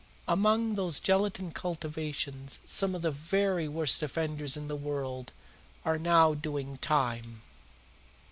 "Among those gelatine cultivations some of the very worst offenders in the world are now doing time."